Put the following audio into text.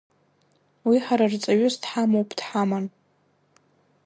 Уи ҳара рҵаҩыс дҳамоуп дҳаман.